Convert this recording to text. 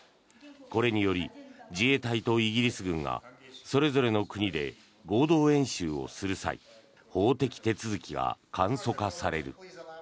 これにより自衛隊とイギリス軍がそれぞれの国で合同演習をする際法的手続きが簡素化される。